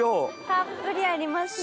たっぷりありますね。